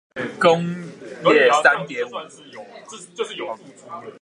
工業三點五